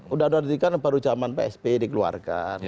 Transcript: undang undang dua puluh tiga baru zaman psp dikeluarkan